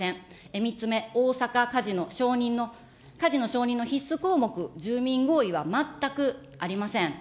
３つ目、大阪カジノ承認の、カジノ承認の必須項目、住民合意は全くありません。